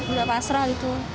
udah pasrah gitu